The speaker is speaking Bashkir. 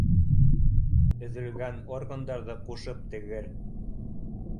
— Өҙөлгән органдарҙы ҡушып тегер